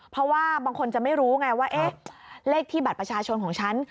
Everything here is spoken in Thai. เพราะว่าบางคนจะไม่รู้ไงว่าเลขที่บัตรประชาชนของฉัน